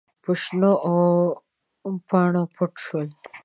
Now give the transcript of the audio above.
په شنو پاڼو پټ شول.